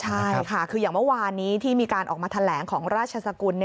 ใช่ค่ะคืออย่างเมื่อวานนี้ที่มีการออกมาแถลงของราชสกุล